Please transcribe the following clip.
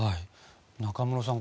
中室さん